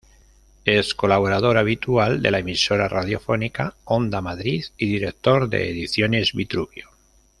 Es colaborador habitual de la emisora radiofónica Onda Madrid y director de Ediciones Vitruvio.